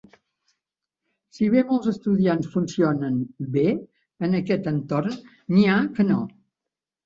Si bé molts estudiants funcionen bé en aquest entorn, n'hi ha que no.